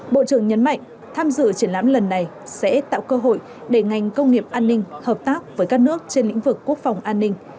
bộ trưởng nhấn mạnh tham dự triển lãm lần này sẽ tạo cơ hội để ngành công nghiệp an ninh hợp tác với các nước trên lĩnh vực quốc phòng an ninh